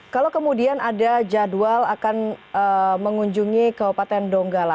kalau kemudian ada jadwal akan mengunjungi kabupaten donggala